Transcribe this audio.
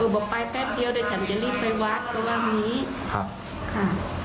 เออบอกไปแป๊บเดียวแต่ฉันจะรีบไปวาดก็ว่างนี้ฮะค่ะ